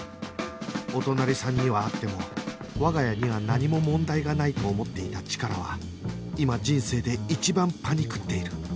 お隣さんにはあっても我が家には何も問題がないと思っていたチカラは今人生で一番パニクっている